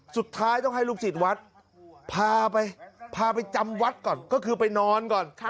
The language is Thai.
สุดท้ายต้องให้ลูกศิษย์วัดพาไปพาไปจำวัดก่อนก็คือไปนอนก่อน